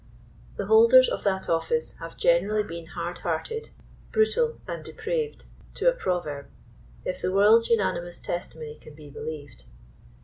The holders of that office have generally been hard hearted, brutal and depraved, to a proverb, if the world^s unanimous testimony can be believed.